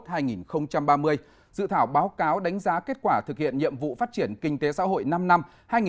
ban chấp hành trung ương đảng đánh giá kết quả thực hiện nhiệm vụ phát triển kinh tế xã hội năm năm hai nghìn một mươi sáu hai nghìn hai mươi